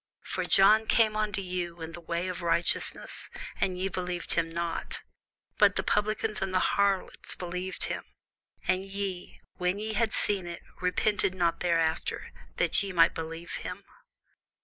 For John came unto you in the way of righteousness, and ye believed him not: but the publicans and the harlots believed him: and ye, when ye had seen it, repented not afterward, that ye might believe him.